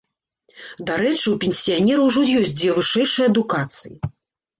Дарэчы, у пенсіянера ўжо ёсць дзве вышэйшыя адукацыі.